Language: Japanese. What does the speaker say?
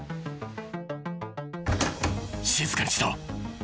静かにしろ。